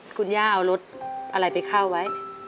คุณย่าเอารถอะไรไปเข้าไว้